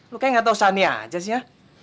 lu kayaknya gak tau sania aja sih ya